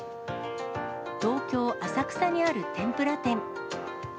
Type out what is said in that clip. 東京・浅草にある天ぷら店。